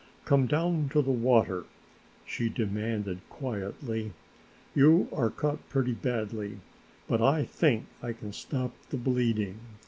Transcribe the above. "Come down to the water," she demanded quietly, "you are cut pretty badly, but I think I can stop the bleeding.